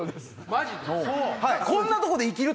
マジで？